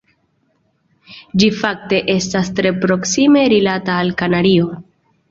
Ĝi fakte estas tre proksime rilata al la Kanario.